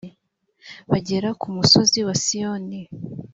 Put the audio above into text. bagera ku musozi wa siyoni